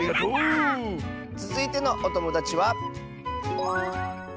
つづいてのおともだちは。